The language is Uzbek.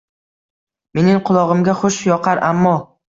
Mening qulog’imga xush yoqar ammo.